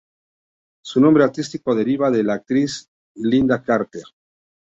Su nombre artístico deriva de la actriz Lynda Carter.